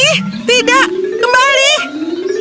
dia bahkan tidak pernah menggonggong pada siapapun